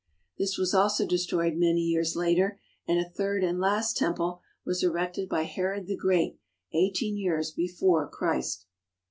This was also destroyed many years later and a third and last temple was erected by Herod the Great eighteen years before Christ.